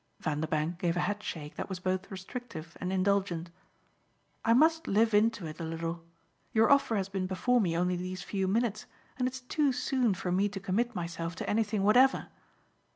Vanderbank gave a headshake that was both restrictive and indulgent. "I must live into it a little. Your offer has been before me only these few minutes, and it's too soon for me to commit myself to anything whatever.